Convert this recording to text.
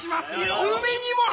「梅にも春」